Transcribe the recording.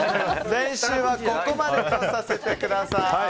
練習はここまでとさせてください。